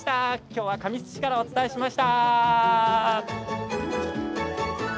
きょうは神栖市からお伝えしました。